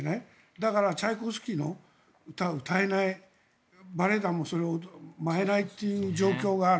だからチャイコフスキーの歌は歌えないバレエ団もそれを舞えないいう状況がある。